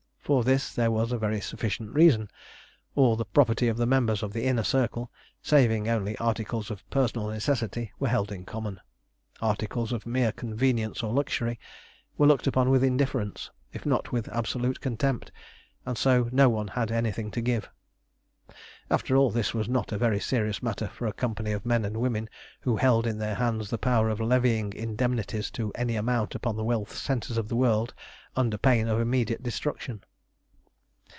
For this there was a very sufficient reason. All the property of the members of the Inner Circle, saving only articles of personal necessity, were held in common. Articles of mere convenience or luxury were looked upon with indifference, if not with absolute contempt, and so no one had anything to give. After all, this was not a very serious matter for a company of men and women who held in their hands the power of levying indemnities to any amount upon the wealth centres of the world under pain of immediate destruction.